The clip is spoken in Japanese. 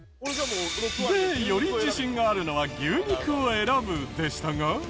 でより自信があるのは牛肉を選ぶでしたが。